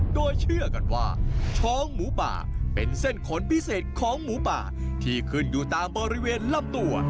โดยเชื่อกันว่าช้องหมูป่าเป็นเส้นขนพิเศษของหมูป่าที่ขึ้นอยู่ตามบริเวณลำตัว